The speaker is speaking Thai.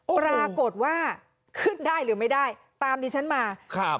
ปรากฏว่าขึ้นได้หรือไม่ได้ตามดิฉันมาครับ